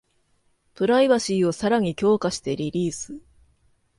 プライバシーをさらに強化してリリース